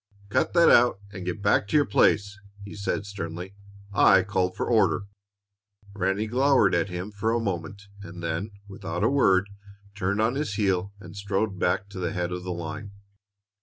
"Cut that out and go back to your place!" he said sternly. "I called for order." Ranny glowered at him for a moment, and then, without a word, turned on his heel and strode back to the head of the line.